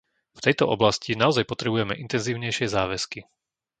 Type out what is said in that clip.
V tejto oblasti naozaj potrebujeme intenzívnejšie záväzky.